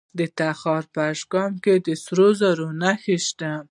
د تخار په اشکمش کې د سرو زرو نښې شته.